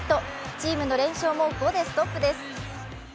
チームの連勝も５でストップです。